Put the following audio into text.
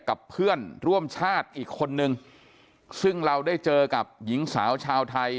กับเพื่อนร่วมชาติอีกคนนึงซึ่งเราได้เจอกับหญิงสาวชาวไทย